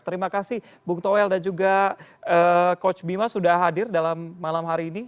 terima kasih bung toel dan juga coach bima sudah hadir dalam malam hari ini